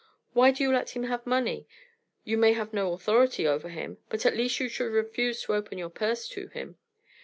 Why do you let him have money? You may have no authority over him; but at least you should refuse to open your purse to him.